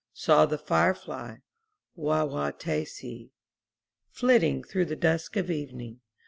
Saw the fire fly, Wah~wah tay' see, Flitting through the dusk of evening.